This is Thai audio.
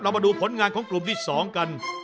เรามาดูผลงานของกลุ่มที่สองกัน